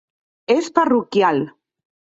És parroquial.